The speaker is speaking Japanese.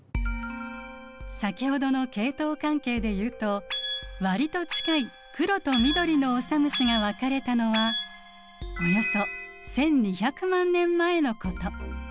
先ほどの系統関係で言うと割と近い黒と緑のオサムシが分かれたのはおよそ１，２００万年前のこと。